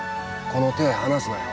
この手離すなよ。